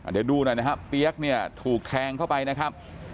เดี๋ยวดูหน่อยนะครับเปี๊ยกเนี่ยถูกแทงเข้าไปนะครับ